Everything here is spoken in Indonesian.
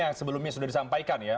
yang sebelumnya sudah disampaikan ya